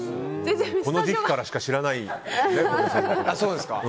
この時期からしか知らないですから。